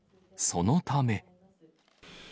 そのため。